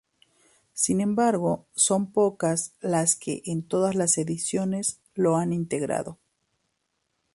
Sin embargo son pocas las que en todas las ediciones lo han integrado.